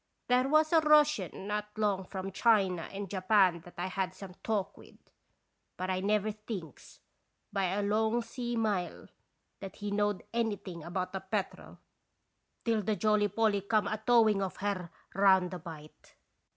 " There was a Russian not long from China and Japan that I had some talk with; but I never thinks, by a long sea mile, that he knowed anything about the Petrel, till the Jolly Polly come a towing of her round the bight.